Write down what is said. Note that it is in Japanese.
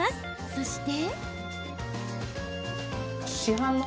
そして。